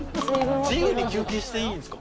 自由に休憩していいんですか？